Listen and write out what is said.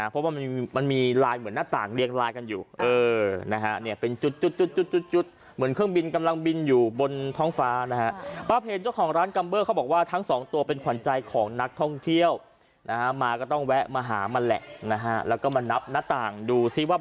เพราะมันมีลายเหมือนหน้าต่างเรียงลายกันอยู่